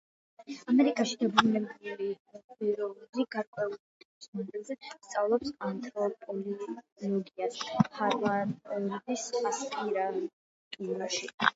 ამერიკაში დაბრუნებული ბეროუზი გარკვეული დროის მანძილზე სწავლობს ანთროპოლოგიას ჰარვარდის ასპირანტურაში.